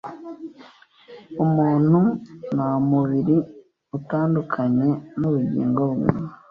Umuntu ntamubiri utandukanye nubugingo bwe